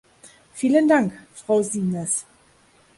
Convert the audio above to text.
Vielen Dank, Frau Siimes.